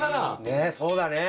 ねえそうだねえ。